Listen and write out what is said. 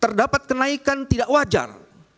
terdapat kenaikan tidak wajar